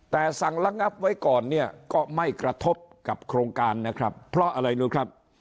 แต่สั่งระงับไว้ก่อนเนี่ยก็ไม่กระทบกับโครงการนะครับเพราะอะไรรู้ครับ